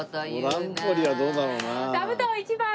トランポリンはどうだろうな？